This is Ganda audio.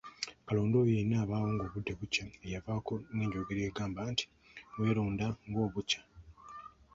Kalonda oyo yenna abaawo ng'obudde bukya yeeyavaako n'enjogera egamba nti, "weeronda ng'obukya!"